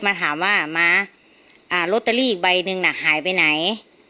มาถามว่าม้าลอตเตอรี่อีกใบหนึ่งน่ะหายไปไหน